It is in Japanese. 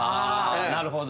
なるほど。